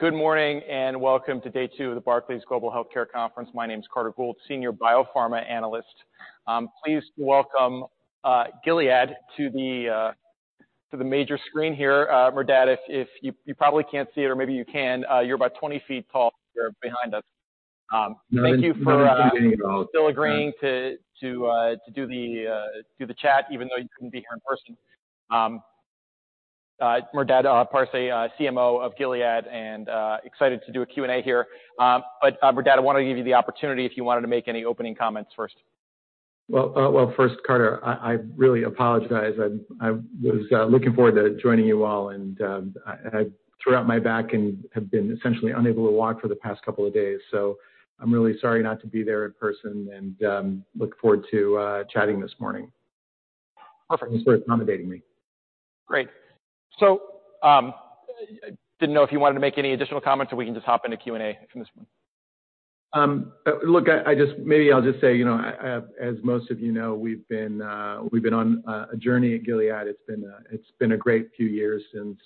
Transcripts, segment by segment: Good morning, and welcome to day two of the Barclays Global Healthcare Conference. My name is Carter Gould, Senior Biopharma Analyst. Please welcome Gilead to the major screen here. Merdad, if you probably can't see it or maybe you can, you're about 20 feet tall, you're behind us. No, I didn't see anything at all.... still agreeing to do the chat even though you couldn't be here in person. Merdad Parsey, CMO of Gilead, and excited to do a Q&A here. Merdad, I wanna give you the opportunity if you wanted to make any opening comments first. Well, first, Carter, I really apologize. I was looking forward to joining you all, and, I threw out my back and have been essentially unable to walk for the past couple of days. I'm really sorry not to be there in person, and, look forward to chatting this morning. Hopefully, it's worth motivating me. Great. didn't know if you wanted to make any additional comments, or we can just hop into Q&A from this point. Look, maybe I'll just say, you know, as most of you know, we've been on a journey at Gilead. It's been a great few years since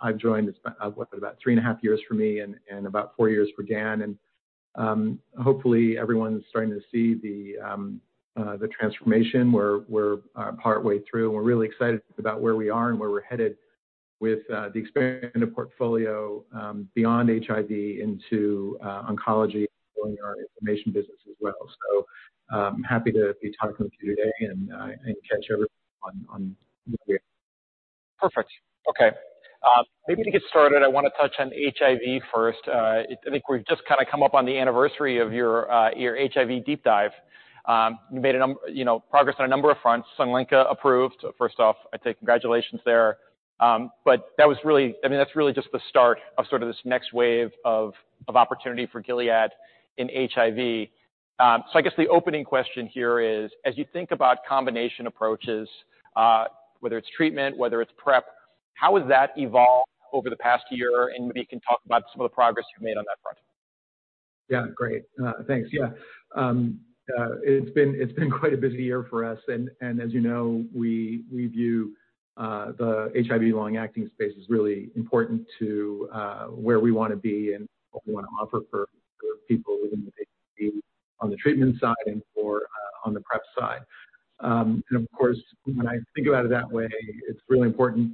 I've joined. It's been, what? About 3.5 years for me and about four years for Dan. Hopefully everyone's starting to see the transformation. We're partway through, and we're really excited about where we are and where we're headed with the expanded portfolio beyond HIV into oncology and growing our information business as well. Happy to be talking with you today and catch everyone on here. Perfect. Okay. Maybe to get started, I wanna touch on HIV first. I think we've just kinda come up on the anniversary of your HIV deep dive. You made a you know, progress on a number of fronts. Sunlenca approved, first off. I'd say congratulations there. But that was I mean, that's really just the start of sort of this next wave of opportunity for Gilead in HIV. I guess the opening question here is, as you think about combination approaches, whether it's treatment, whether it's PrEP, how has that evolved over the past year? Maybe you can talk about some of the progress you've made on that front. Yeah. Great. Thanks. Yeah. It's been quite a busy year for us. As you know, we view the HIV long-acting space as really important to where we wanna be and what we wanna offer for people within the HIV on the treatment side and for on the PrEP side. Of course, when I think about it that way, it's really important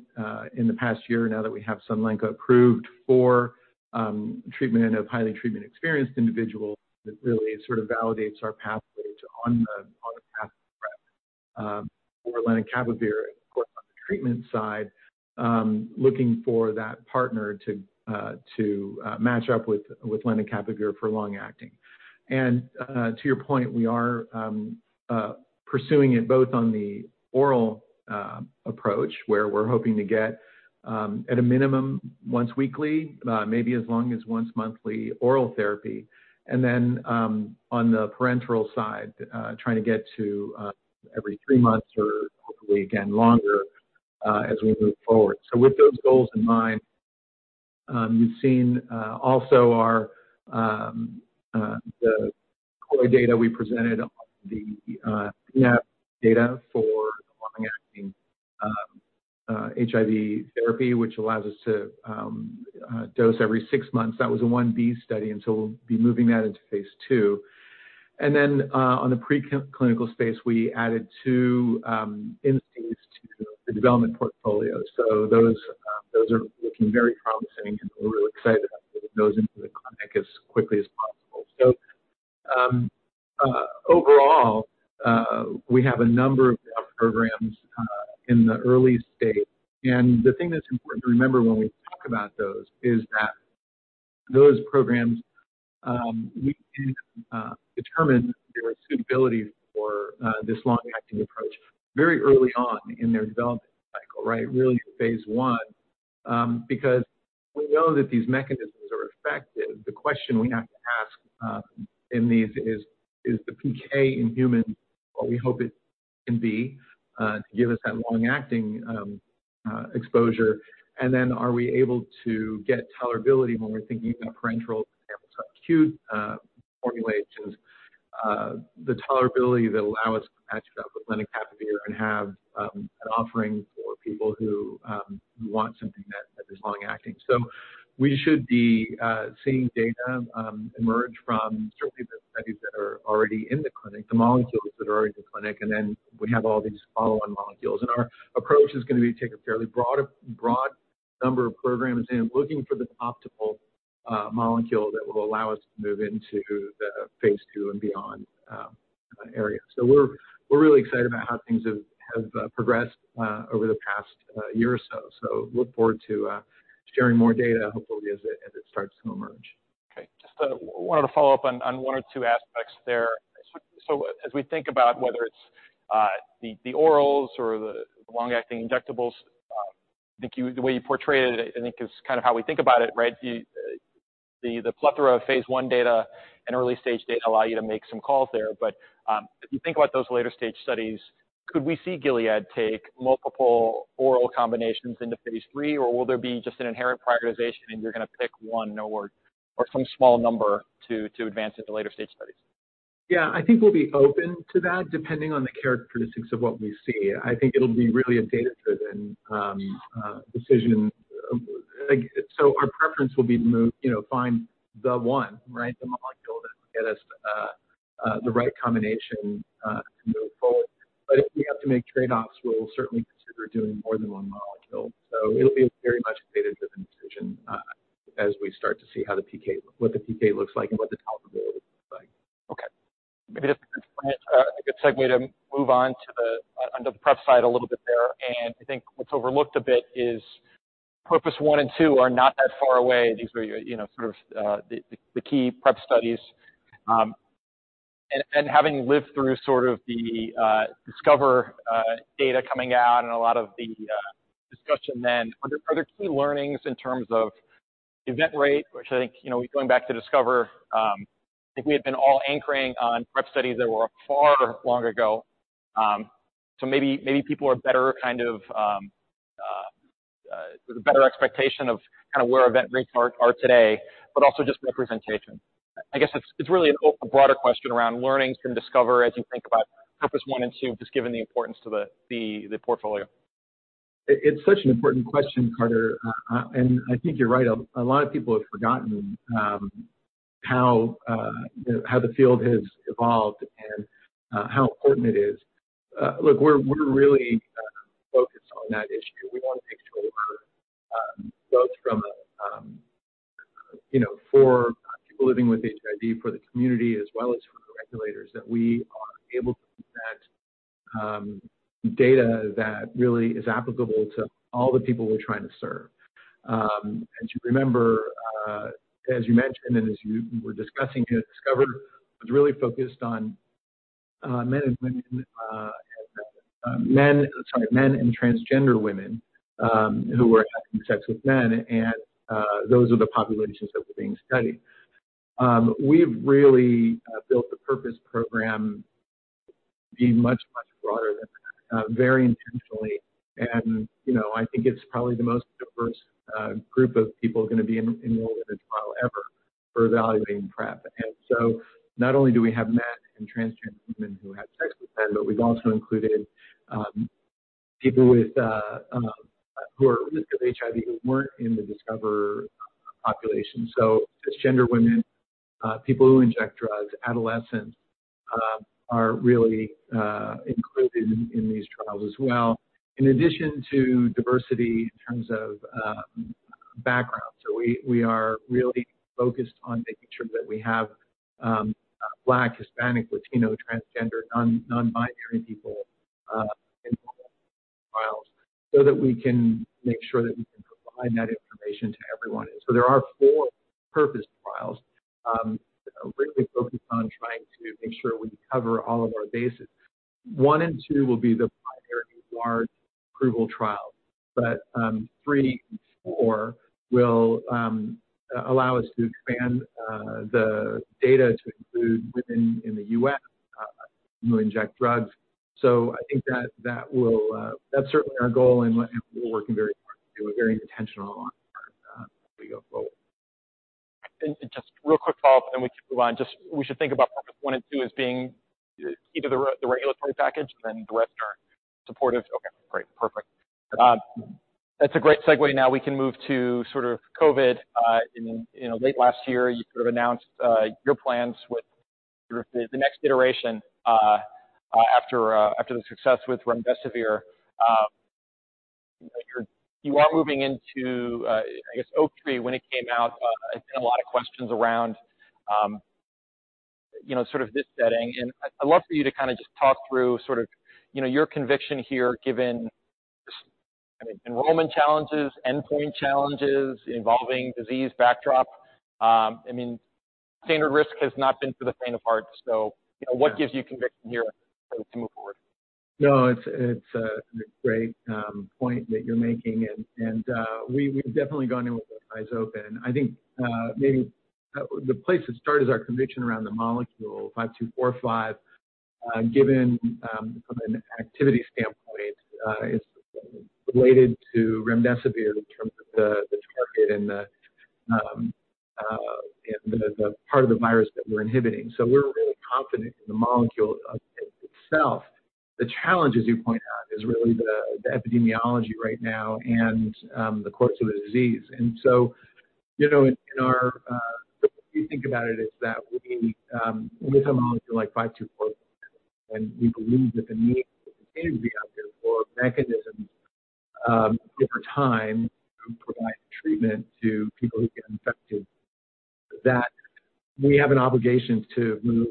in the past year now that we have Sunlenca approved for treatment of highly treatment-experienced individuals that really sort of validates our pathway to on the path to PrEP for lenacapavir. Of course, on the treatment side, looking for that partner to match up with lenacapavir for long-acting. To your point, we are pursuing it both on the oral approach, where we're hoping to get at a minimum once weekly, maybe as long as once monthly oral therapy. On the parenteral side, trying to get to every three months or hopefully again longer as we move forward. With those goals in mind, you've seen also our the CROI data we presented on the bNAb data for the long-acting HIV therapy, which allows us to dose every six months. That was a 1B study, we'll be moving that into phase II. On the preclinical space, we added two instances to the development portfolio. Those are looking very promising, and we're really excited about getting those into the clinic as quickly as possible. Overall, we have a number of programs in the early stage. The thing that's important to remember when we talk about those is that those programs, we can determine their suitability for this long-acting approach very early on in their development cycle, right? Really phase I, because we know that these mechanisms are effective. The question we have to ask in these is the PK in humans what we hope it can be to give us that long-acting exposure? Are we able to get tolerability when we're thinking about parenteral, for example, subcutaneous formulations, the tolerability that allow us to match it up with lenacapavir and have an offering for people who want something that is long-acting. We should be seeing data emerge from certainly the studies that are already in the clinic, the molecules that are already in the clinic, and then we have all these follow-on molecules. Our approach is gonna be take a fairly broad number of programs in, looking for the optimal molecule that will allow us to move into the phase two and beyond area. We're really excited about how things have progressed over the past year or so. Look forward to sharing more data, hopefully, as it starts to emerge. Okay. Just wanted to follow up on one or two aspects there. As we think about whether it's the orals or the long-acting injectables, I think the way you portrayed it, I think is kinda how we think about it, right? The plethora of phase I data and early-stage data allow you to make some calls there. If you think about those later-stage studies, could we see Gilead take multiple oral combinations into phase III, or will there be just an inherent prioritization and you're gonna pick one or some small number to advance into later-stage studies? Yeah, I think we'll be open to that depending on the characteristics of what we see. I think it'll be really a data-driven decision. Like, our preference will be to move, you know, find the one, right? The molecule that will get us the right combination to move forward. If we have to make trade-offs, we'll certainly consider doing more than one molecule. It'll be very much a data-driven decision as we start to see what the PK looks like and what the tolerability looks like. Okay. Maybe this is a good segue to move on the PrEP side a little bit there. I think what's overlooked a bit is PURPOSE one and two are not that far away. These were, you know, sort of the key PrEP studies. And having lived through sort of the DISCOVER data coming out and a lot of the discussion then, are there key learnings in terms of event rate? Which I think, you know, going back to DISCOVER, I think we had been all anchoring on PrEP studies that were far long ago. Maybe people are better kind of with a better expectation of kind of where event rates are today, but also just representation. I guess it's really a broader question around learnings from Discover as you think about PURPOSE 1 and 2, just given the importance to the portfolio. It's such an important question, Carter. I think you're right. A lot of people have forgotten how the field has evolved and how important it is. Look, we're really focused on that issue. We want to make sure both from a, you know, for people living with HIV, for the community as well as for the regulators, that we are able to present data that really is applicable to all the people we're trying to serve. As you remember, as you mentioned and as you were discussing DISCOVER was really focused on men and women, sorry, men and transgender women, who were having sex with men. Those are the populations that were being studied. We've really built the PURPOSE program to be much, much broader than that, very intentionally. You know, I think it's probably the most diverse group of people gonna be enrolled in a trial ever for evaluating PrEP. Not only do we have men and transgender women who have sex with men, but we've also included people with who are at risk of HIV who weren't in the DISCOVER population. Cisgender women, people who inject drugs, adolescents, are really included in these trials as well. In addition to diversity in terms of background. We are really focused on making sure that we have Black, Hispanic, Latino, transgender, non-binary people enrolled in the trials so that we can make sure that we can provide that information to everyone. There are four PURPOSE trials, really focused on trying to make sure we cover all of our bases. one and two will be the primary large approval trials, but three and four will allow us to expand the data to include women in the U.S., people who inject drugs. I think that that will, that's certainly our goal and we're working very hard to do it, very intentional on our as we go forward. Just real quick follow-up, then we can move on. Just we should think about PURPOSE one and two as being either the regulatory package and then the rest are supportive. Okay, great. Perfect. That's a great segue. Now we can move to sort of COVID. In late last year, you sort of announced your plans with sort of the next iteration after the success with remdesivir. You are moving into, I guess Oaktree when it came out, there's been a lot of questions around, you know, sort of this setting. I'd love for you to kind of just talk through sort of, you know, your conviction here, given, I mean, enrollment challenges, endpoint challenges involving disease backdrop. I mean, standard risk has not been for the faint of heart. you know, what gives you conviction here to move forward? No, it's a great point that you're making. We've definitely gone in with our eyes open. I think maybe the place to start is our conviction around the molecule GS-5245. Given from an activity standpoint, it's related to remdesivir in terms of the target and the part of the virus that we're inhibiting. We're really confident in the molecule itself. The challenge, as you point out, is really the epidemiology right now and the course of the disease. You know, in our... The way we think about it is that we, with a molecule like GS-441524, and we believe that the need continues to be out there for mechanisms, over time to provide treatment to people who get infected, that we have an obligation to move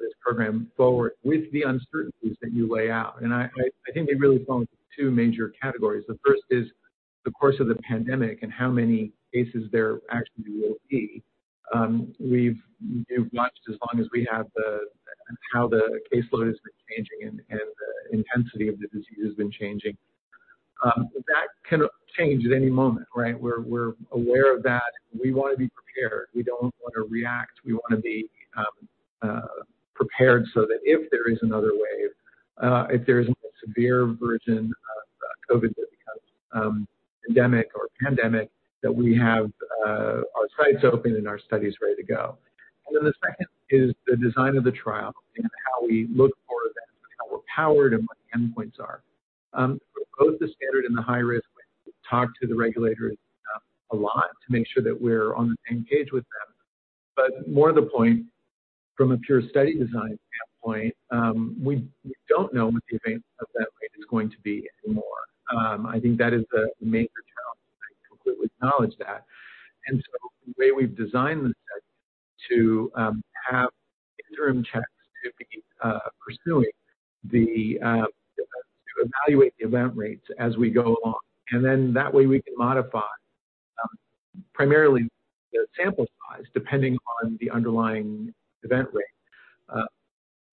this program forward with the uncertainties that you lay out. I think they really fall into two major categories. The first is the course of the pandemic and how many cases there actually will be. We've watched as long as we have how the caseload has been changing and the intensity of the disease has been changing. That can change at any moment, right? We're aware of that. We wanna be prepared. We don't wanna react. We wanna be prepared so that if there is another wave, if there is a more severe version of COVID, that endemic or pandemic, that we have our sites open and our studies ready to go. The second is the design of the trial and how we look for events and how we're powered and what the endpoints are. Both the standard and the high risk, we talk to the regulators a lot to make sure that we're on the same page with them. More to the point, from a pure study design standpoint, we don't know what the event of that rate is going to be anymore. I think that is the major challenge, and I completely acknowledge that. The way we've designed the study to have interim checks to be pursuing the events, to evaluate the event rates as we go along. That way we can modify primarily the sample size depending on the underlying event rate,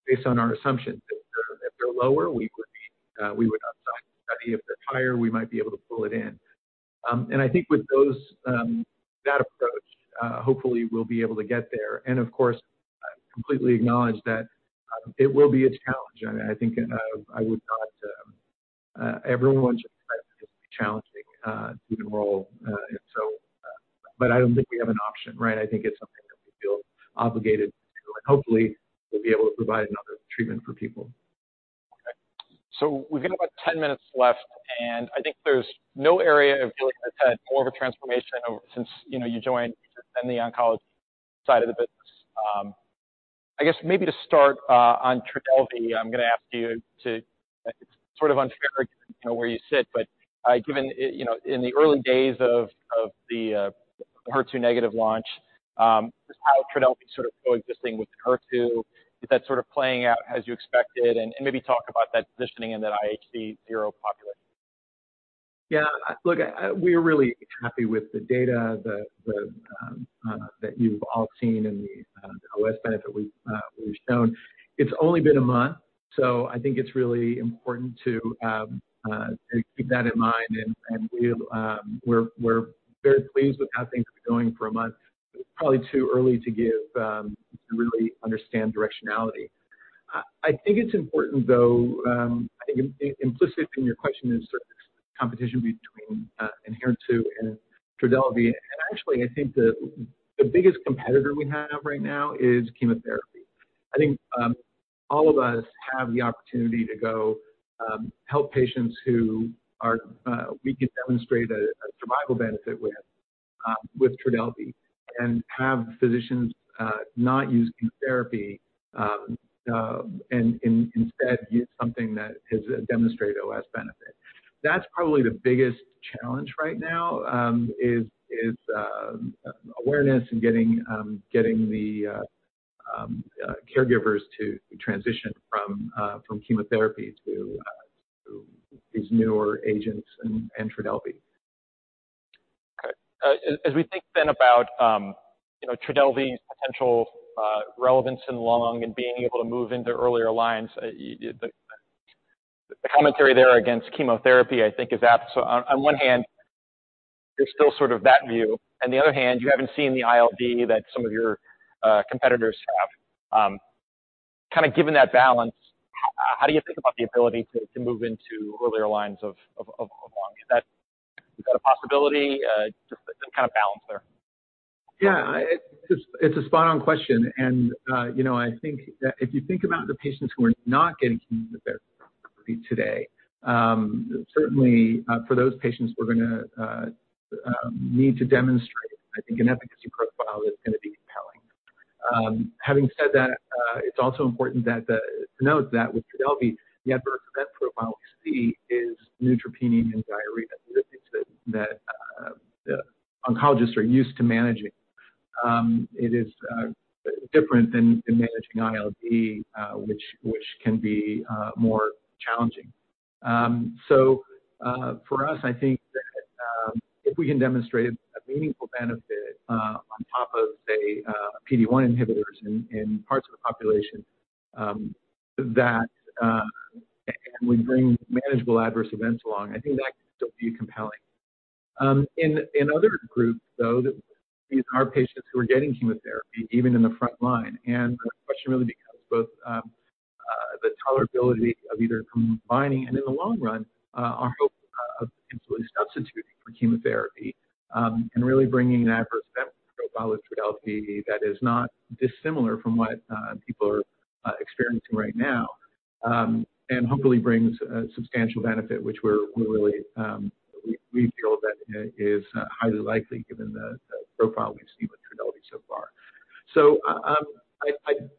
based on our assumptions. If they're lower, we would upsize the study. If they're higher, we might be able to pull it in. I think with those, that approach, hopefully we'll be able to get there. Of course, I completely acknowledge that it will be a challenge. I think I would not everyone should expect that it's going to be challenging to enroll. I don't think we have an option, right? I think it's something that we feel obligated to do, and hopefully we'll be able to provide another treatment for people. Okay. We've got about 10 minutes left, and I think there's no area of work that's had more of a transformation since, you know, you joined than the oncology side of the business. I guess maybe to start on Trodelvy, I'm gonna ask you to. It's sort of unfair given, you know, where you sit, but given, you know, in the early days of the HER2-negative launch, just how Trodelvy's sort of coexisting with Enhertu. Is that sort of playing out as you expected? And maybe talk about that positioning in that IHC 0 population? Yeah. Look, we're really happy with the data that you've all seen and the OS benefit we've shown. It's only been a month, so I think it's really important to keep that in mind. We're very pleased with how things are going for a month, but it's probably too early to give to really understand directionality. I think it's important though, I think implicit in your question is sort of this competition between Enhertu and Trodelvy. Actually, I think the biggest competitor we have right now is chemotherapy. I think all of us have the opportunity to go help patients who are we can demonstrate a survival benefit with Trodelvy and have physicians not use chemotherapy and instead use something that has demonstrated OS benefit. That's probably the biggest challenge right now is awareness and getting the caregivers to transition from chemotherapy to these newer agents and Trodelvy. Okay. As we think then about, you know, Trodelvy's potential, relevance in lung and being able to move into earlier lines, the commentary there against chemotherapy, I think is apt. On, on one hand, there's still sort of that view, on the other hand, you haven't seen the ILD that some of your competitors have. Kind of given that balance, how do you think about the ability to move into earlier lines of lung? Is that a possibility? Just some kind of balance there. Yeah. It's, it's a spot on question. You know, I think that if you think about the patients who are not getting chemotherapy today, certainly, for those patients, we're gonna need to demonstrate, I think, an efficacy profile that's gonna be compelling. Having said that, it's also important to note that with Trodelvy, the adverse event profile we see is neutropenia and diarrhea. Those are things that oncologists are used to managing. It is different than managing ILD, which can be more challenging. For us, I think that if we can demonstrate a meaningful benefit on top of, say, PD-1 inhibitors in parts of the population, that and we bring manageable adverse events along, I think that can still be compelling. In other groups, though, these are patients who are getting chemotherapy even in the front line. The question really becomes both, the tolerability of either combining and in the long run, our hope of potentially substituting for chemotherapy, and really bringing an adverse event profile with Trodelvy that is not dissimilar from what people are experiencing right now. Hopefully brings a substantial benefit, which we're really, we feel that is highly likely given the profile we've seen with Trodelvy so far.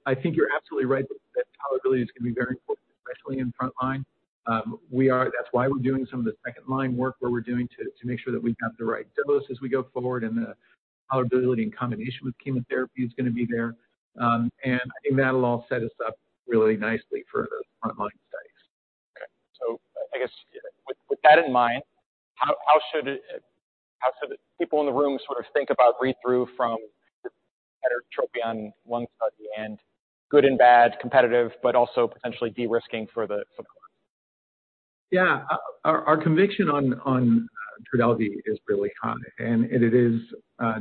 I think you're absolutely right that tolerability is gonna be very important, especially in front line. That's why we're doing some of the second line work where we're doing to make sure that we have the right dose as we go forward and the tolerability in combination with chemotherapy is gonna be there. I think that'll all set us up really nicely for those front line studies. Okay. I guess with that in mind, how should people in the room sort of think about read-through from the TROPION-Lung01 and good and bad competitive, but also potentially de-risking for the. Yeah. Our conviction on Trodelvy is really high. It is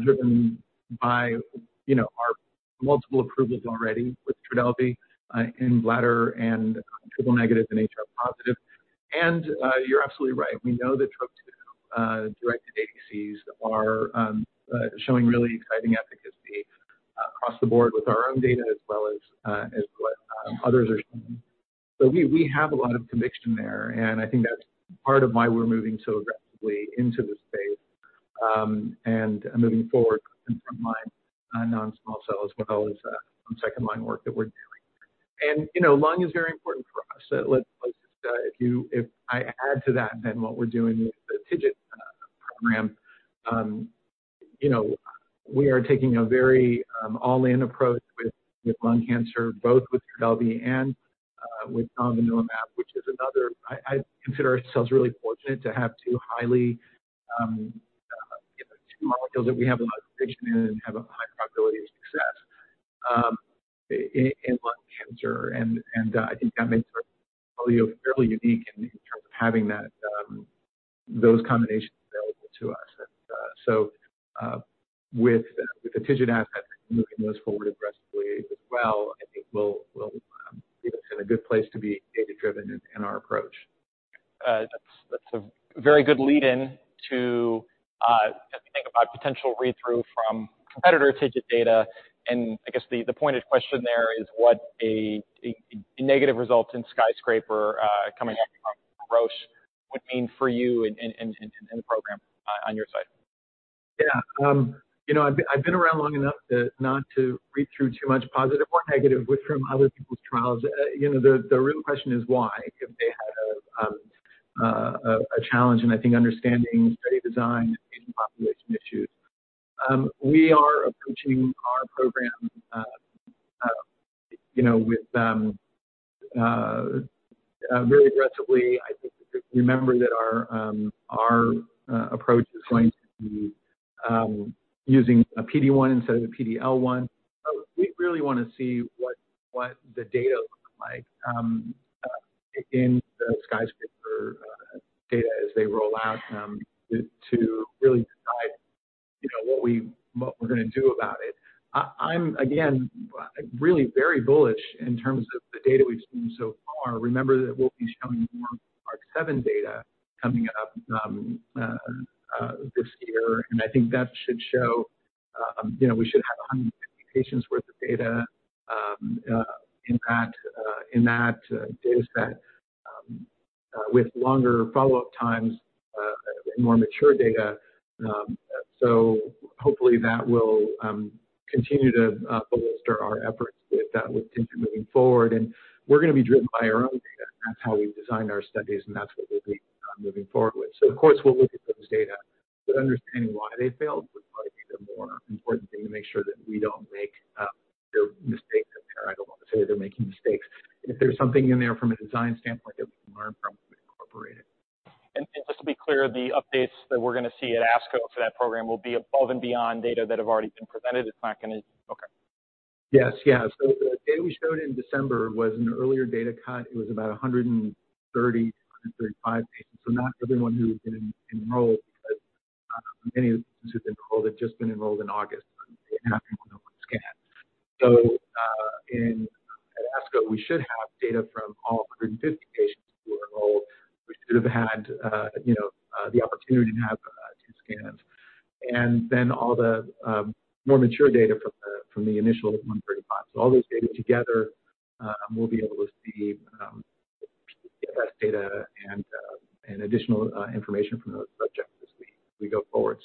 driven by, you know, ourMultiple approvals already with Trodelvy in bladder and triple-negative and HR-positive. You're absolutely right. We know that Trop-2 directed ADCs are showing really exciting efficacy across the board with our own data as well as what others are seeing. We have a lot of conviction there. I think that's part of why we're moving so aggressively into the space, moving forward in front line non-small cell, as well as some second line work that we're doing. You know, lung is very important for us. If I add to that, then what we're doing with the TIGIT program, you know, we are taking a very all-in approach with lung cancer, both with Trodelvy and with Domvanalimab, which is another. I consider ourselves really fortunate to have two highly, you know, two molecules that we have a lot of conviction in and have a high probability of success in lung cancer. I think that makes our portfolio fairly unique in terms of having that, those combinations available to us. So, with the TIGIT asset, moving those forward aggressively as well, I think will leave us in a good place to be data-driven in our approach. That's a very good lead in to as we think about potential read-through from competitor TIGIT data. I guess the pointed question there is what a negative result in SKYSCRAPER, coming up from Roche would mean for you and the program on your side? Yeah. you know, I've been around long enough not to read through too much positive or negative read from other people's trials. you know, the real question is why? If they had a challenge, and I think understanding study design and patient population issues. We are approaching our program, you know, with really aggressively. I think remember that our approach is going to be using a PD-1 instead of a PD-L1. We really wanna see what the data looks like in the SKYSCRAPER data as they roll out to really decide, you know, what we're gonna do about it. I'm again, really very bullish in terms of the data we've seen so far. Remember that we'll be showing more ARC-7 data coming up this year, and I think that should show, you know, we should have 150 patients worth of data in that dataset with longer follow-up times, more mature data. Hopefully that will continue to bolster our efforts with TIGIT moving forward. We're gonna be driven by our own data. That's how we've designed our studies, and that's what we'll be moving forward with. Of course, we'll look at those data, but understanding why they failed would probably be the more important thing to make sure that we don't make their mistakes in there. I don't want to say they're making mistakes. If there's something in there from a design standpoint that we can learn from, we incorporate it. Just to be clear, the updates that we're gonna see at ASCO for that program will be above and beyond data that have already been presented. Okay. Yes. Yeah. The data we showed in December was an earlier data cut. It was about 130-135 patients, so not everyone who had been enrolled. Many who had been enrolled had just been enrolled in August, so they hadn't gone on the scan. At ASCO, we should have data from all 150 patients who enrolled. We should have had, you know, the opportunity to have two scans. All the more mature data from the initial 135. All those data together, we'll be able to see the best data and additional information from those subjects as we go forward.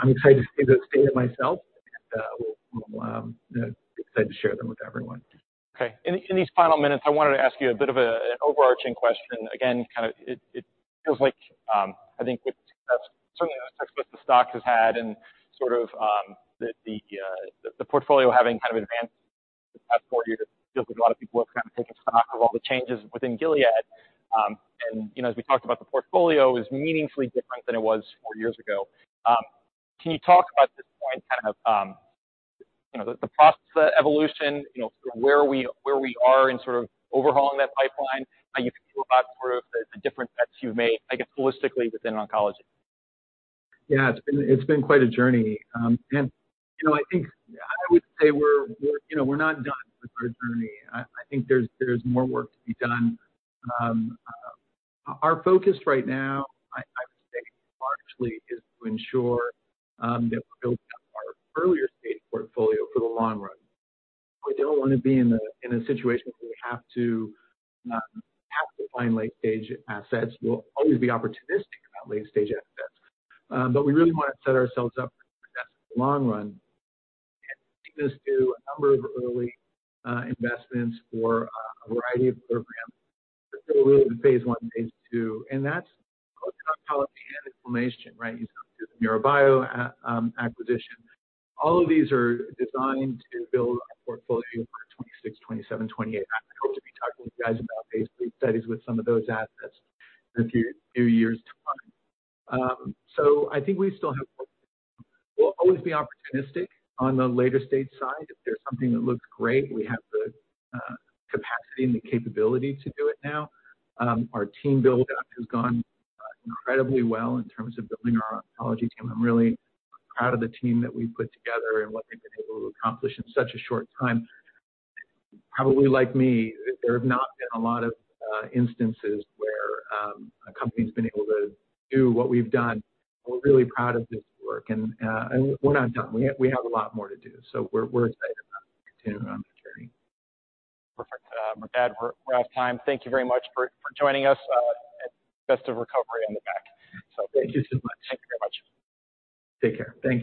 I'm excited to see those data myself, and we'll be excited to share them with everyone. Okay. In these final minutes, I wanted to ask you a bit of an overarching question. Kinda it feels like, I think with success, certainly the success the stock has had and sort of the portfolio having kind of advanced the past four years, it feels like a lot of people are kind of taking stock of all the changes within Gilead. You know, as we talked about, the portfolio is meaningfully different than it was four years ago. Can you talk about this point, kind of, you know, the process evolution? You know, sort of where we are in sort of overhauling that pipeline? How you feel about sort of the different bets you've made, I guess, holistically within oncology? Yeah, it's been quite a journey. You know, I think I would say we're, you know, we're not done with our journey. I think there's more work to be done. Our focus right now, I would say largely is to ensure that we're building up our earlier stage portfolio for the long run. We don't wanna be in a situation where we have to find late-stage assets. We'll always be opportunistic about late-stage assets. We really wanna set ourselves up for success in the long run and take this to a number of early investments for a variety of programs. Really the phase 1, phase 2, and that's both in oncology and inflammation, right? You saw through the MiroBio acquisition. All of these are designed to build a portfolio for 2026, 2027, 2028. I hope to be talking to you guys about phase 3 studies with some of those assets in a few years to come. I think we'll always be opportunistic on the later stage side. If there's something that looks great, we have the capacity and the capability to do it now. Our team build-up has gone incredibly well in terms of building our oncology team. I'm really proud of the team that we've put together and what they've been able to accomplish in such a short time. Probably like me, there have not been a lot of instances where a company's been able to do what we've done. We're really proud of this work and we're not done. We have a lot more to do. We're excited about continuing on the journey. Perfect. We're out of time. Thank you very much for joining us. Best of recovery on the back. Thank you so much. Thank you very much. Take care. Thank you.